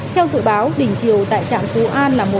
theo dự báo đỉnh chiều tại trạm phú an là một sáu mươi m